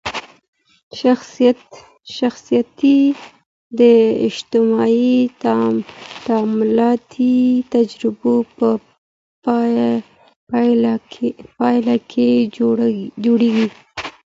شخصیت د اجتماعي تعاملاتي تجربو په پایله کي جوړېږي.